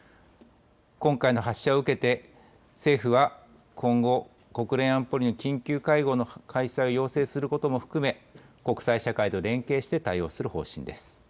今回の発射を受けて、政府は今後、国連安保理に緊急会合の開催を要請することも含め、国際社会と連携して対応する方針です。